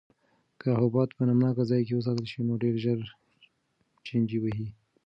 که حبوبات په نمناک ځای کې وساتل شي نو ډېر ژر چینجي وهي.